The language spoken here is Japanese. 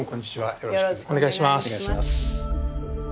よろしくお願いします。